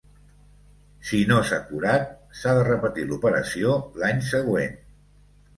Si no s'ha curat, s'ha de repetir l'operació l'any següent.